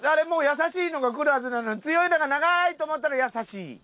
もう優しいのがくるはずなのに強いのが長い！と思ったら優しい。